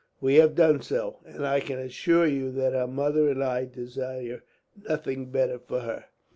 We have done so; and I can assure you that her mother and I desire nothing better for her.